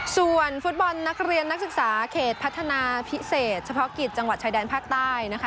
ส่วนฟุตบอลนักเรียนนักศึกษาเขตพัฒนาพิเศษเฉพาะกิจจังหวัดชายแดนภาคใต้นะคะ